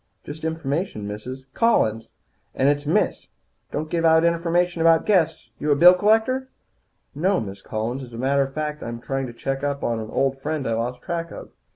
"Just information, Mrs. " "Collins, and it's Miss. Don't give out information about guests. You a bill collector?" "No, Miss Collins. As a matter of fact, I'm trying to check up on an old friend I lost track of.